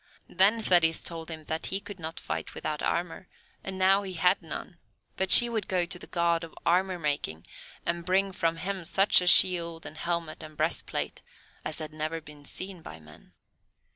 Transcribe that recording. Then Thetis told him that he could not fight without armour, and now he had none; but she would go to the God of armour making and bring from him such a shield and helmet and breastplate as had never been seen by men.